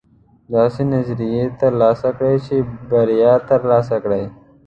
داسې نظریې ترلاسه کړئ چې بریا ترلاسه کړئ.